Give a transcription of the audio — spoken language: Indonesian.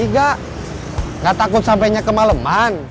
gak takut sampainya kemaleman